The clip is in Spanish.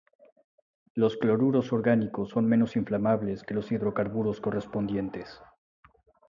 Los cloruros orgánicos son menos inflamables que los hidrocarburos correspondientes.